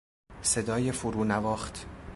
صدای فرو نواخت